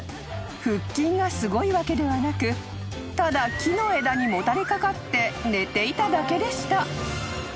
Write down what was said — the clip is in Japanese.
腹筋がすごいわけではなくただ木の枝にもたれ掛かって寝ていただけでした］